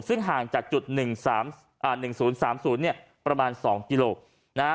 ซึ่งห่างจากจุด๑๐๓๐ประมาณ๒กิโลกรัม